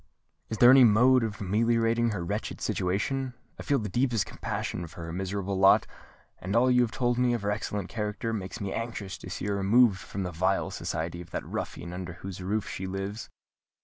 Is there any mode of ameliorating her wretched situation? I feel the deepest compassion for her miserable lot; and all you have told me of her excellent character makes me anxious to see her removed from the vile society of that ruffian under whose roof she lives."